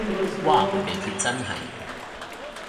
嘩部地鐵真係